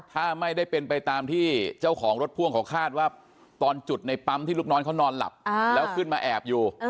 ถ้าไม่ได้เป็นไปตามที่เจ้าของรถพ่วงเขาคาดว่าตอนจุดในปั๊มที่ลูกน้องเขานอนหลับแล้วขึ้นมาแอบอยู่